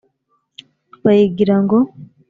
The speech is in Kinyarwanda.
bayigira ngo